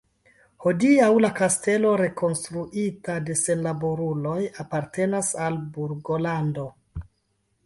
Hodiaŭ la kastelo, rekonstruita de senlaboruloj, apartenas al Burgolando.